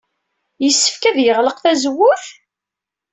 Yessefk ad yeɣleq tazewwut?